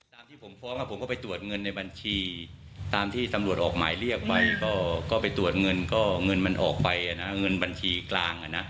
ตามที่ผมฟ้องผมก็ไปตรวจเงินในบัญชีตามที่ตำรวจออกหมายเรียกไปก็ไปตรวจเงินก็เงินมันออกไปเงินบัญชีกลางอ่ะนะ